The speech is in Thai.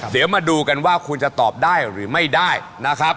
เดี๋ยวมาดูกันว่าคุณจะตอบได้หรือไม่ได้นะครับ